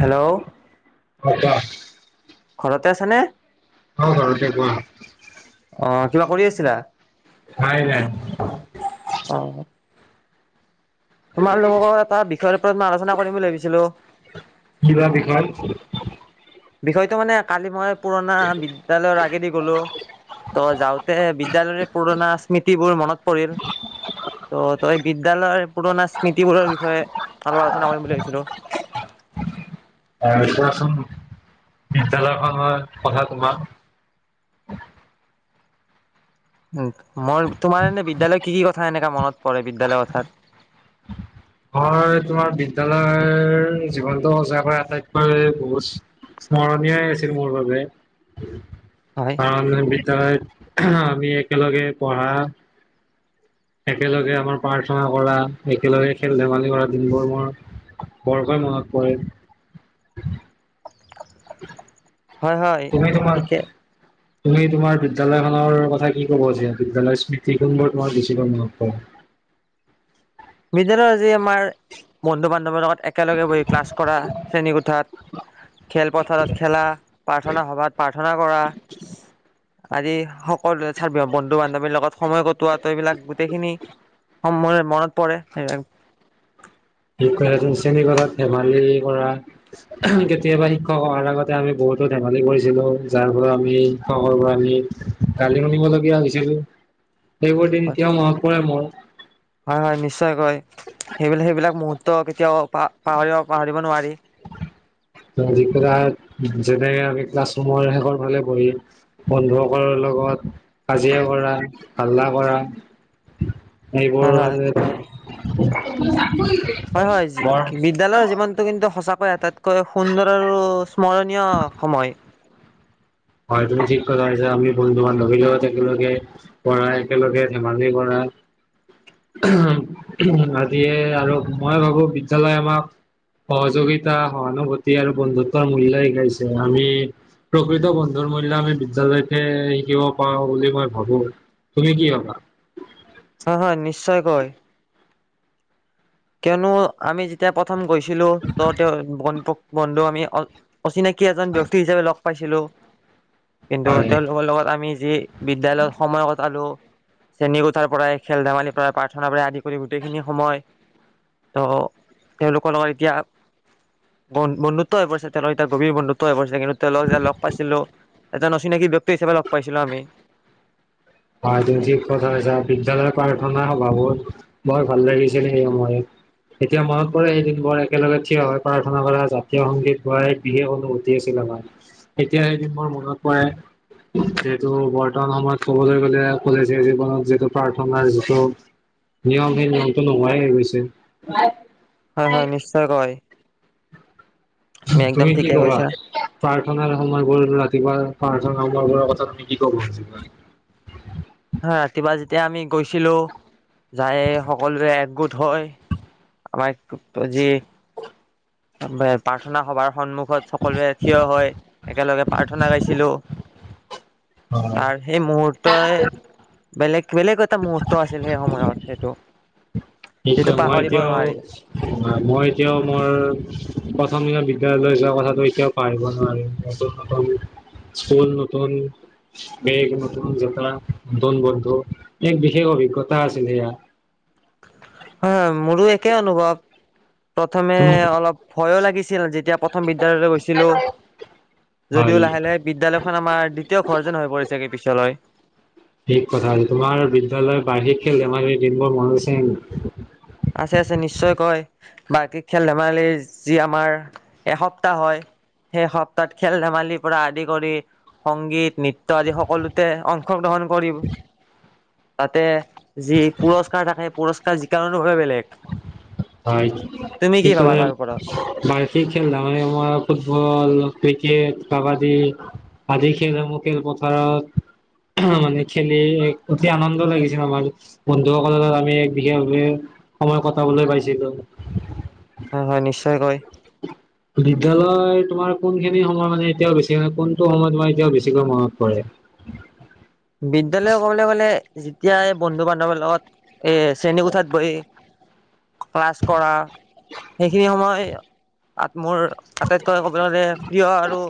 Hello ঘৰতে আছে নে। অঁ ঘৰতে কোৱা। অ' কিবা কৰি আছিলা। অ' [unintelligible] তোমাৰ লগত এটা বিষয়ৰ ওপৰত মই আলোচনা কৰিম বুলি ভাবিছিলো। কি বা বিষয় বিষয়টো মানে কালি মই পুৰণা বিদ্যালয়ৰ আগেদি গ'লো ত যাওঁতে বিদ্যালয়ৰে পুৰণা স্মৃতিবোৰ মনত পৰিল ত তই বিদ্যালয় পুৰনা স্মীতিবোৰৰ বিষয়ে ভালো আলোচনা কৰিম বুলি ভাবিছিলো আহ কোৱাচোন বিদ্যালয়খনৰ কথা কবা উম মই তোমাৰ এনে বিদ্যালয় কি কি ক কথা এনেকা মনত পৰে বিদ্যালয়ৰ কথাত হয় তোমাৰ বিদ্যয়ালয়ৰ জীৱনটো সজাৰ পৰা আটাইতকৈ বহুত স্মৰণীয়াই আছিল মোৰ বাবে হয়, [unintelligible] বিদ্যালয়ত আমি একেলগে পঢ়া একেলগে আমাৰ প্ৰাৰ্থনা কৰা একেলগে খেল ধেমালি কৰা দিনবোৰ মোৰ বৰকৈ মনত পৰে [inaudible] হয়, হয়, তুমি তোমাৰ ঠিকে। তুমি তোমাৰ বিদ্যয়ালয়খনৰ কথা কি কবা যে [unintelligible] স্মৃতিখনবোৰ তোমাৰ বেছিকৈ মনত পৰে? [inaudible] যে আমাৰ বন্ধু বান্ধৱৰ লগত একেলগে বহি ক্লাছ কৰা, শ্ৰেণী কোঠাত খেলপথাৰত খেলা প্ৰাৰ্থনা সভাত প্ৰাৰ্থনা কৰা, আদি সকলো বন্ধু বান্ধৱীৰ লগত সময় কটোৱা তে এইবিলাক গোটেইখিনি সম মনত পৰে, সেই শিক্ষক [unintelligible] শ্ৰেণীকোঠাত ধেমালি কৰা, কেতিয়াবা শিক্ষক আহাৰ আগতে আমি বহুতো ধেমালি কৰিছিলো, যাৰ ফলত আমি শিক্ষকৰ পৰা আমি গালি শুনিব লগীয়া হৈছিলোঁ সেইবোৰ দিন এতিয়াও মনত পৰে মোৰ হয়, হয়, নিশ্চয়কৈ সেইবিল, সেইবিলাক মোদ তো কেতিয়াও পা পাহৰিব নোৱাৰি যেনেকে আমি ক্লাছৰুমৰ শেষৰ ফালে বহি বন্ধুসকলৰ লগত কাজিয়া কৰা, হাল্লা কৰা হয় সেইবোৰ হয় মানে হয় হয় বৰ কৈ সুন্দৰ আৰু স্মৰণীয় সময়। হয় তুমি ঠিক কথা হৈছে আমি বন্ধু বান্ধৱীৰ লগত একেলগে পঢ়া, একেলগে ধেমালি কৰা উ আদিয়ে আৰু মই ভাবো বিদ্যালয় আমাক সহযোগিতা সহানুভূতি আৰু বন্ধুত্বৰ মূল্য় শিকাইছে আমি প্ৰকৃত বন্ধু। বন্ধুৰ মূল্য আমি বিদ্যালয়তে শিকিব পাৰো বুলি মই ভাবো তুমি কি ভাবা। হয়- হয় নিশ্চয় কৈ। কিয়নো আমি যেতিয়া প্ৰথম। প্ৰথম গৈছিলো তহঁতেও বন্টোক। বন্ধু আমি অ' অচিনাকি এজন ব্যক্তি হিচাপে লগ পাইছিলো কিন্তু হয় তেওঁলোকৰ লগত আমি। যি বিদ্য়ালয়ত সময় কটালো শ্ৰেণী কোঠাৰ পৰাই খেল ধেমালিৰ পৰাই প্ৰাৰ্থনা পৰা আদি কৰি গোটেইখিনি সময় ত তেওঁলোকৰ লগত এতিয়া বন্ধুত্ব হৈ পৰিছে তেওঁলৰ এতিয়া গভীৰ বন্ধুত্ব হৈ পৰিছে কিন্তু ত লগ যাই লগ পাইছিলো এজন অচিনাকি ব্যয়ক্তি হিচাপে লগ পাইছিলো আমি হয় যি কছ বিদ্যালয় পাৰঠ ন হ ভাবত বৰ ভাল লাগিছিল এই সময়ত এতিয়া মনত পৰে এদিন বৰ একেলগে থিয় হৈ প্ৰাৰ্থনা কৰা জাতীয় সংগীত ব বিশেষ অনুভূতি আছিল আমাৰ এতিয়া এদিন বৰ মনত পৰে যিহেতু বৰ্তমান সময়ত ক'বলৈ গ'লে কলেজীয়া জীৱনত যিটো প্ৰাৰ্থনাৰ যিটো নিয়ম সেই নিয়মটো নোহোৱাই গৈছে হয় হয় নিশ্চয় ক তুমি কি ঠিকে কবা কৈছা হয় প্ৰাৰ্থনাৰ সময় গলো ৰাতিপুৱা প্ৰাৰ্থনা াৰ বাৰ কথা তুমি কি ক কছ হাতি বাজ তেতিয়া আমি গৈছিলোঁ যায় সকলোৰে একগোট হয় আমাৰ যি প্ৰাৰ্থনা সভাৰ সন্মুখীন সকলোৱে থিয় হয় একেলগে প্ৰাৰ্থনা গাইছিলোঁ তাৰ সেই মুহুৰ্তই বেলেগ বেলেগ এটা মুহূৰ্ত আছিল সেই সময়ত সেইটো কি ক যিটো মই পাহৰিব এতিয়াও নোৱাৰি মই এতিয়াও মোৰ প্ৰথম বিদ্য়ালয়লৈ যোৱা কথাটো এতিয়াও পাহিব নোৱাৰে নতুন নতুন স্কুল নতুন বেগ নতুন জোতা নতুন বন্ধু এক বিশেষ অভিজ্ঞতা আছিল সেয়া ক অনুভৱ প্ৰথমে তুমি অলপ ভয় লাগিছে [unintelligible] এতিয়া প্ৰথম বিদ্যালয়লৈ গৈছিলো যদিও হয় লাহে লাহে বিদ্য়ালয়খন আমাৰ দ্বিতীয় ঘৰ যেন হৈ পৰিছেগে পিছলৈ ঠিক কথা আ হৈছে তোমাৰ বিদ্যালয় বাৰ্ষিক খেল ধমাৰ দিনবোৰ মনছে আছে আছে নিশ্চয়কৈ বাকী খেল ধেমালিৰ যি আমাৰ এসপ্তাহ হয় সেই সপ্তাহত খেল ধেমালিৰ পৰা আদি কৰি সংগীত নৃত্য় আদি সকলোতে অংশগ্ৰহণ কৰিম তাতে যি পুৰস্কাৰ থাকে পুৰস্কাৰ [unintelligible] নহয় বেলেগ হয়, তুমি কি ঠিক ভাবা কৰে তাৰ ওপৰত বাৰ খেল মানে আমাৰ ফুটবল ক্ৰিকেট কাবাডী, আদি খেলসমূহ খেলপথাৰত, মানে খেলি এক অতি আনন্দ লাগিছিল আমাৰ বন্ধুসকলৰ লগ আমি এক বিশেষভাৱে‌ সময় কটাবলৈ পাইছিলো। হয়, হয় নিশ্চয় কৈ বিদ্যালয় তোমাৰ কোনখিনি সময় মানে এতিয়াও বেছি কোনটো সময় তোমাৰ এতিয়াও বেছিকৈ মনত পৰে? বিদ্যালয় ক'বলৈ গ'লে যি তিয়া বন্ধু-বান্ধৱীৰ লগত এ শ্ৰেণীকোঠাত বহি ক্লাছ কৰা সেইখিনি সময় মোৰ আটাইতকৈ ক'বলে গ'লে প্ৰিয় আৰু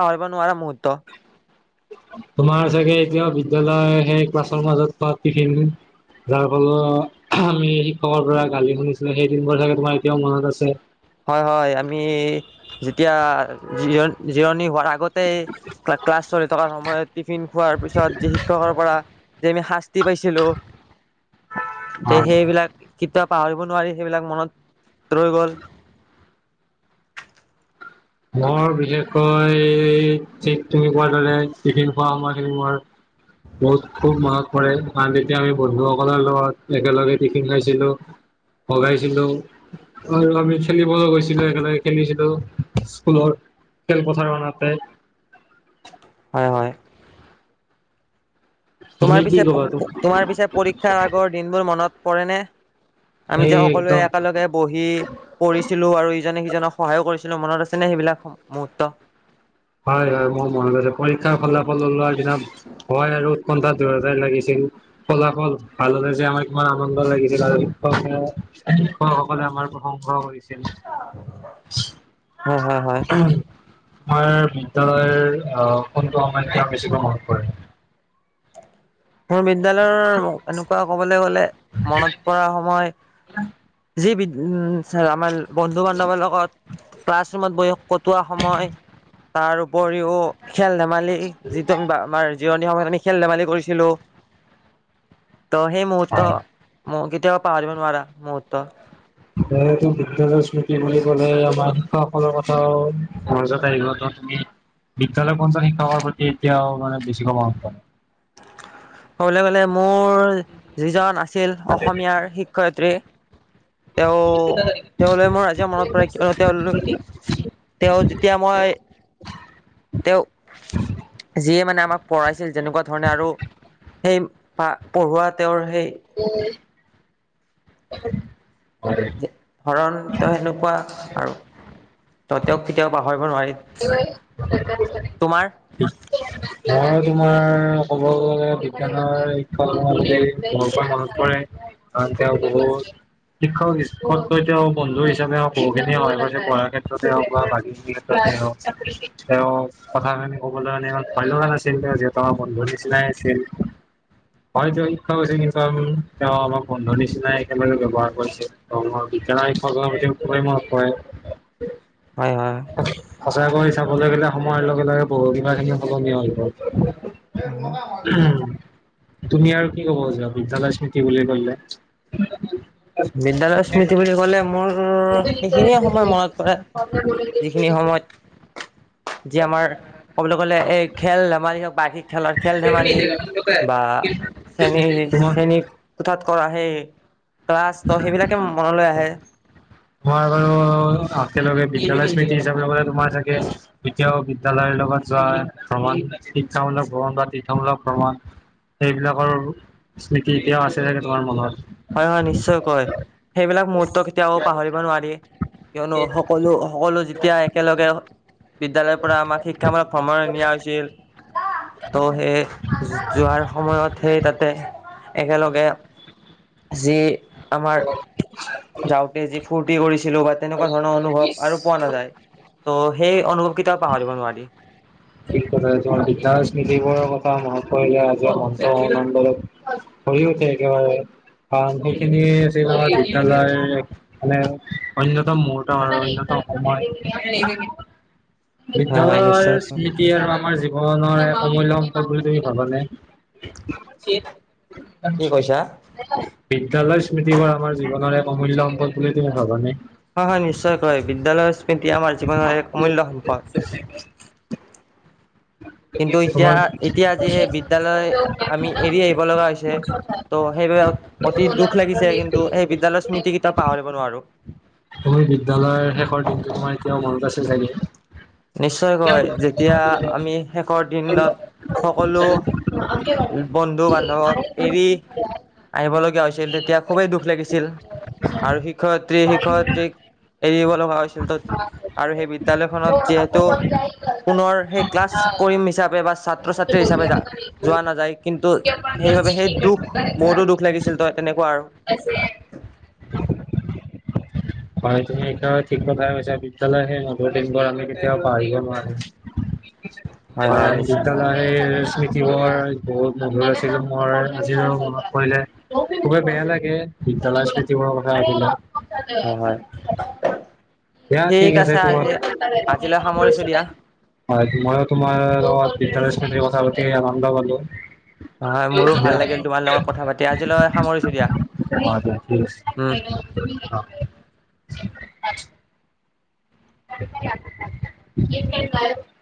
পাহৰিব নোৱাৰা মুহূৰ্ত। তোমাৰ চাগে এতিয়াও বিদ্যালয় সেই ক্লাছৰ মাজত খোৱা টিফিন যাৰ ফলত আমি শিক্ষকৰ পৰা গালি শুনিছিলো সেই দিনবোৰ চাগে তোমাৰ এতিয়াও মনত আছে। হয়, হয় আমি যেতিয়া জিৰণ-জিৰণি হোৱা আগতে ক্লাছ চলি থকা সময়ত টিফিন খোৱাৰ পিছত যি শিক্ষকৰ পৰা যে আমি শা তি পাইছিলোঁ। তে সেইবিলাক কিতাপ পাহৰিব নোৱাৰি সেইবিলাক মনত ৰৈ গ'ল। মোৰ বিশেষকৈ ঠিক তুমি কোৱাৰ দৰে টিফিন খোৱা সময়খিনি মোৰ বহুত খুব মনত পৰে কাৰণ তেতিয়া আমি বন্ধুসকলৰ লগত একেলগে টিফিন খাইছিলোঁ ভগাইছিলো আৰু আমি খেলিবলৈ গৈছিলো, একেলগে খেলিছিলোঁ। স্কুলৰ খেলপথাৰখনতে। হয় হয়। তোমাৰ তুমি কি পিছে ক'বা তো তোমাৰ পিছে পৰীক্ষাৰ আগৰ দিনবোৰ মনত পৰেনে? আমি এই যে সকলোৱে একদম একেলগে বহি পঢ়িছিলো আৰু ইজনে সিজ জনক সহায়ো কৰিছিলো মনত আছে নে সেইবিলাক মুহূৰ্ত? হয় হয় মোৰ মনত আছে পৰীক্ষাৰ ফলাফল ওলোৱাৰ দিনা ভয় আৰু উৎকণ্ঠা দুয়োটাই লাগিছিল। ফলাফল ভাল হলে যে আমাৰ কিমান আনন্দ লাগিছিল আৰু শিক্ষকে শিক্ষকসকলে আমাৰ প্ৰশংসাও কৰিছিল। [inaudible] হয় হয় হয়। আমাৰ বিদ্যালয়ৰ অ' কোনটো [unintelligible] বেছিকৈ মনত পৰে? মোৰ বিদ্যয়ালয়ৰ এনেকুৱা ক'বলৈ গলে মনত পৰা সময় যি বি ছাৰ আমাৰ বন্ধু বান্ধৱৰ লগত ক্লাছ ৰুমত বহি কটোৱা সময়, তাৰ উপৰিও খেল ধে মালি যিটো আমি [unintelligible] আমাৰ জিৰণি সময়ত আমি খেল ধেমালি কৰিছিলো। ত সেই মুহূৰ্ত হয় ম কি কেতিয়াও পাহৰিব নোৱাৰা মূহু ত এতিয়া বিদ্যালয়ৰ স্মৃতি বুলি কলে আমাৰ শিক্ষকসকলৰ কথাও মাজত আহিব ত তুমি বিদ্যালয়ৰ কোনজন শিক্ষকৰ প্ৰতি এতিয়াও মানে বেছি? [unintelligible] ক'বলৈ গলে মোৰ যিজন আ ছিল অসমীয়াৰ শিক্ষয়িত্ৰী তেওঁ তেওঁলৈ মোৰ আজিও মনত পৰে কিয়নো, তেওঁ তেওঁ যেতিয়া মই তেওঁ যিয়ে মানে আমাক পঢ়াইছিল যেনেকুৱা আৰু সেই পা পঢ়োৱা তেওঁৰ সেই [unintelligible] হয়। ধৰণ তেওঁ সেনেকুৱা আৰু, ত তেওঁক কেতিয়াও পাহৰি [inaudible] তোমাৰ মই তোমাৰ ক'ব গ'লে, বিজ্ঞানৰ শিক্ষক [unintelligible] বৰকৈ মনত পৰে কাৰণ তেওঁ বহুত শিক্ষক [unintelligible] তেওঁ বন্ধু হিচাপে হওঁক বহুখিনি সহায় কৰিছে পঢ়াৰ ক্ষেত্ৰত হওঁক বা বাকী [unintelligible] ক্ষেত্ৰতে হওঁক, তেওঁ কথাখিনি কবলৈ [unintelligible] ভয় লগা নাছিল তেওঁ যিহেতু আমাৰ বন্ধু নিচিনাই আছিল হয়তো, শিক্ষক হৈছিল কিন্তু আ তেওঁ আমাৰ বন্ধু নিচিনাই একেলগে ব্যৱহাৰ কৰিছিল [unintelligible] বিজ্ঞানৰ শিক্ষকৰ প্ৰতি খুবেই মনত পৰে। হয় হয় সঁচাকৈ চাবলৈ গ'লে সময় লগ গে বহু কিবা [unintelligible] সলনি হৈ গ'ল। [unintelligible] তুমি আৰু কি ক'ব বুজা বিদ্যালয় স্মৃতি বুলি ক'লে? বিদ্যালয় স্মৃতি বুলি ক'লে মোৰ, সেইখিনিয়ে সময় মনত পৰে যিখিনি সময়ত যি আমাৰ ক'বলৈ গ'লে, এই খেল ধেমালি হওঁক বাৰ্ষিক খেলৰ খেল ধেমালি বা শ্ৰেণী তোমাৰ শ্ৰেণী কোঠাত কৰা হে ক্লাছ সেইবিলাকে মনলৈ আহে। তোমাৰ বাৰু একেলগে বিদ্যালয় স্মৃতি হিচাপে গ'লে, তোমাৰ চাগে এতিয়াও বিদ্যালয়ৰ লগত যোৱা ভ্ৰমণ শিক্ষামূলক ভ্ৰমণ বা তীৰ্থমূলক ভ্ৰমণ এইবিলাকৰ স্মৃতি এতিয়াও আছে চাগে তোমাৰ মনত? হয়, হয়, নিশ্চয়কৈ সেইবিলাক মূহুত কেতিয়াও পাহৰিব নোৱাৰি কিয়নো, সকলো সকলো যেতিয়া একেলগে বিদ্যালয়ৰ পৰা আমাক শিক্ষামূলক ভ্ৰমণ নিয়া হৈছিল, ত' সেই যোৱাৰ সময়ত সেই তাতে একেলগে যি আমাৰ যাওঁতে যি ফূৰ্তি কৰিচ ছিলো বা তেনেকুৱা ধৰণৰ অনুভৱ আৰু পোৱা নাযায়, ত' সেই অনুভৱ কেইটাও পাহৰিব নোৱাৰি। ঠিক কথা তোমাৰ বিদ্যালয় স্মৃতিবোৰৰ মনত কথা কৰিলে আজি মনটো [unintelligible] অন্যতম মূহুত অন্যতম সময় হয় হয় বিদ্ধৰ নিশ্চয়কৈ। স্মৃতি আৰু আমাৰ জীৱনৰ অমূল্য সম্পদ বুলি তুমি ভাবা নে? [unintelligible] কি কৈছা? বিদ্যালয় স্মৃতিবোৰ আমাৰ জীৱনৰ এক অমূল্য সম্পদ বুলি তুমি ভাবানে? হয়, হয়, নিশ্চয়কৈ বিদ্যালয়ৰ স্মৃতি আমাৰ জীৱনৰ এক অমূল্য সম্পদ। কিন্তু এতিয়া তোমাৰ এতিয়া আজি সেই বিদ্যালয় আমি এৰি আহিব লগা হৈছে, ত' সেইবাবে অতি দুখ লাগিছে, কিন্তু সেই বিদ্যালয়ৰ স্মৃতি কেতিয়াও পাহৰিব নোৱাৰো। তুমি বিদ্যালয়ৰ শেষৰ দিনটো তোমাৰ এতিয়াও মনত আছ - ছে চাগে? নিশ্চয়কৈ যেতিয়া আমি শেষৰ দিনত সকলো বন্ধু-বান্ধৱক এৰি আহিব লগীয়া হৈছিল তেতিয়া খুবেই দুখ লাগিছিল আৰু শিক্ষয়িত্ৰী- শি শিক্ষয়িত্ৰীক এৰিব লগা হৈছিল ত' আৰু সেই বিদ্য়ালয়খনত- যিহেতু পুনৰ সেই ক্লাছ কৰিম হিচাপে- বা ছাত্ৰ-ছাত্ৰী হিচাপে যোৱা নাযায়, কিন্তু সেইবাবে সেই দুখ বহুতো দুখ লাগিছিল ত' তেনেকুৱা আৰু। হয়, তুমি একদমেই ঠিক কথায়ে কৈছা বিদ্যালয়- শৈশবৰ দিনবোৰ আমি কেতিয়াও পাৰিব নোৱাৰো হয় হয় - নিশ্চয়কৈ [unintelligible] স্মৃতি বোৰ বহুত মধুৰ আছিল, মোৰ আজিয়ো মনত পৰিলে খুবেই বেয়া লাগে, বিদ্যালয় স্মৃতিবোৰৰ কথা ভাবিলে। হয় হয় দিয়া, ঠিক আছে তোমাৰ- আজিলৈ সামৰিছো দিয়া হয় মইয়ো তোমাৰ লগত - বিদ্যালয় স্মৃতিৰ কথা পাতি আনন্দ গলো। হয় মোৰো ভাল লাগিল তোমাৰ লগত কথা পাতি আজিলৈ সামৰিছো দিয়া [unintelligible] উম [unintelligible] [unintelligible]